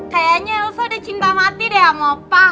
kayanya alsa udah cinta mati deh sama pa